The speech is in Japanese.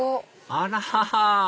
あら！